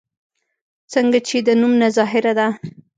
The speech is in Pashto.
څنګه چې د نوم نه ظاهره ده